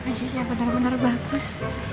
bajunya benar benar bagus